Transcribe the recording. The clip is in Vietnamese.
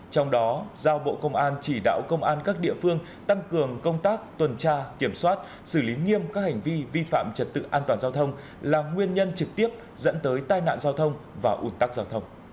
trong đó giao bộ công an chỉ đạo công an các địa phương tăng cường công tác tuần tra kiểm soát xử lý nghiêm các hành vi vi phạm trật tự an toàn giao thông là nguyên nhân trực tiếp dẫn tới tai nạn giao thông và ủn tắc giao thông